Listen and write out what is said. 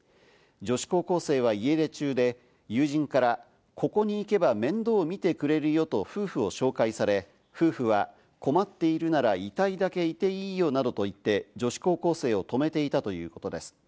女子高校生は家出中で友人から、ここに行けば面倒をみてくれるよと夫婦を紹介され、夫婦は、困っているならいたいだけいていいよなどと言って、女子高校生を泊めていたということです。